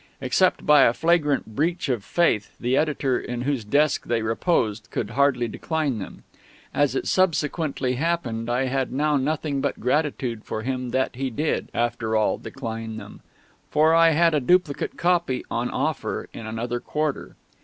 Except by a flagrant breach of faith, the editor in whose desk they reposed could hardly decline them. As it subsequently happened, I have now nothing but gratitude for him that he did, after all, decline them; for I had a duplicate copy "on offer" in another quarter.